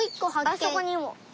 あそこにも。